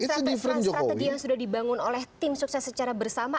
strategi yang sudah dibangun oleh tim sukses secara bersama